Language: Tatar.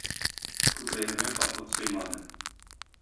Күкрәгемә шатлык сыймады.